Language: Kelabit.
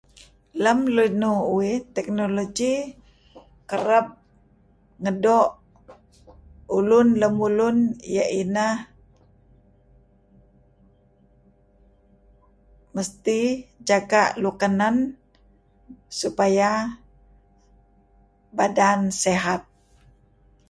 lem linuh uih technology kereb ngedoo' ulun lemulun iyeh ineh mesti jaga' luk kenen supaya badan sihat.